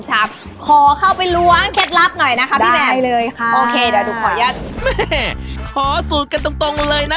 ชามขอเข้าไปรวบแคร์